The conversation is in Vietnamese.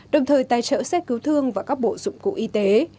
đồng thời tài trợ xe cứu thương và các bộ dụng cụ y tế